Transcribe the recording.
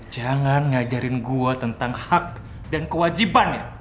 jangan ngajarin gue tentang hak dan kewajiban ya